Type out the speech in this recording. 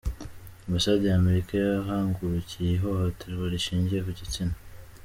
Ambasade ya Amerika yahagurukiye ihohoterwa rishingiye ku gitsina